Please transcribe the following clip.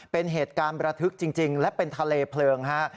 เป็นเหตุการณ์ประทึกจริงและเป็นทะเลเพลิงฮะ